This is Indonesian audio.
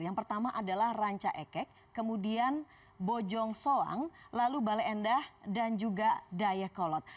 yang pertama adalah ranca ekek kemudian bojong soang lalu bale endah dan juga dayakolot